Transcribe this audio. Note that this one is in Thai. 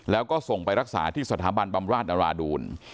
แล้วก็ส่งไปรักษาที่สถาบันบำราชนราดูล